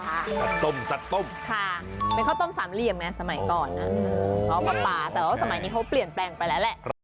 ส้มสัดต้มค่ะเป็นข้าวต้มสามเหลี่ยมไงสมัยก่อนนะปลาแต่ว่าสมัยนี้เขาเปลี่ยนแปลงไปแล้วแหละ